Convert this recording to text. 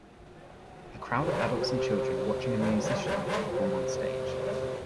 A crowd of adults and children watching a musician perform on stage.